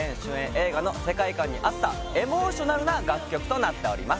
映画の世界観に合ったエモーショナルな楽曲となっております